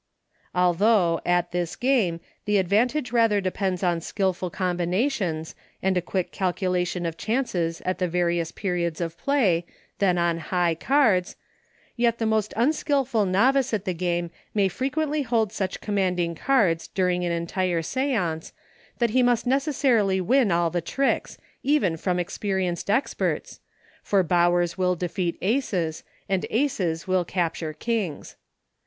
Although, at this game, the advantage rather depends on skillful combinations, and HINTS TO TYROS. Ill a quick calculation of chances at the various periods of play, than on high cards, yet the most unskillful novice at the game may fre quently hold such commanding cards during an entire seance that he must necessarily win all the tricks, even from experienced experts, for Bowers will defeat Aces, and Aces will capture Kings.